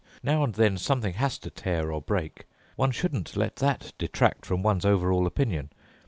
Now and then something has to tear or break. One shouldn't let that detract from one's overall opinion.